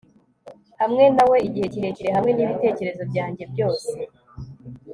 Hamwe na we igihe kirekire hamwe nibitekerezo byanjye byose